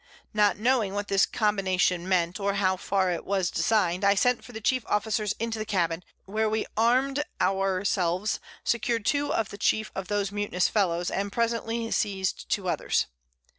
Not knowing what this Combination meant, or how far it was design'd, I sent for the chief Officers into the Cabin, where we arm'd our selves, secured two of the chief of those mutinous Fellows, and presently seized two others.